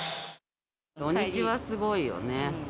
土日はすごいよね。